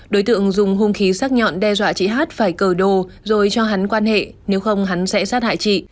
đối tượng dùng hung khí sát nhọn đe dọa chị hát phải cờ đồ rồi cho hắn quan hệ nếu không hắn sẽ sát hại chị